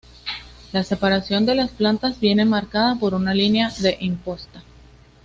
La separación de las plantas viene marcada por una línea de imposta.